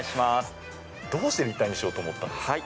どうして立体にしようと思ったんですか。